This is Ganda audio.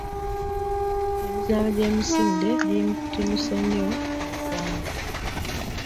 Emizannyo gy'emisinde giyitimuse nnyo mu ggwanga.